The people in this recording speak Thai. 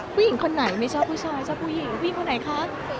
ผู้หญิงคนไหนไม่ชอบผู้ชายชอบผู้หญิงผู้หญิงคนไหนคะ